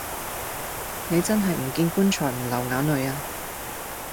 你真係唔見棺材唔流眼淚呀